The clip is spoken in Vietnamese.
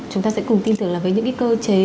chúng ta sẽ cùng tin tưởng là với những cái cơ chế